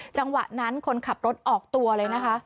จังหวะนั้นคนขับรถออกตัวเลยนะคะ